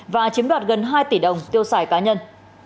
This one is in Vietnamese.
và chiếm đoạt gần hai tỷ đồng tiêu xài cá nhân